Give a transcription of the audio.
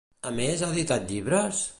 A més, ha editat llibres?